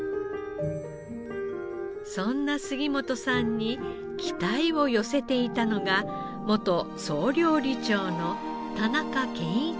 そんな杉本さんに期待を寄せていたのが元総料理長の田中健一郎さん。